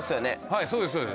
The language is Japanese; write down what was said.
はいそうですそうです。